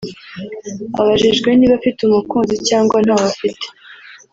Abajijwe niba afite umukunzi cyangwa ntawe afite